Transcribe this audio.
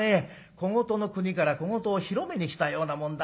小言の国から小言を広めに来たようなもんだ。